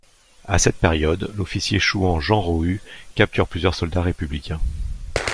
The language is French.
À cette période, l'officier chouan Jean Rohu capture plusieurs soldats républicains.